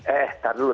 eh taduh dulu